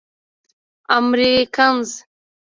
امريکنز.